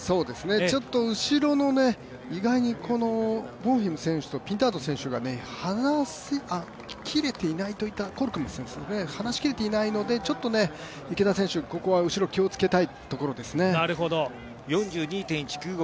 ちょっと後ろの意外にこのボンフィム選手とピンタード選手を離しきれていないので、ちょっと池田選手後ろ気をつけたいところですね。４２．１９５